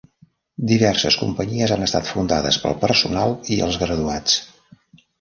Diverses companyies han estat fundades pel personal i els graduats.